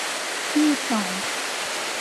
งีบหน่อย